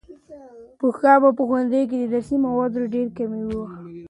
پخوا به په ښوونځیو کې د درسي موادو ډېر کمی و.